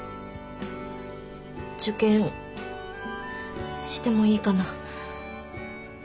受験してもいいかな？